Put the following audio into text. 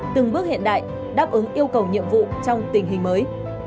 từng bước hiện đại đáp ứng yêu cầu nhiệm vụ trong tình hình mới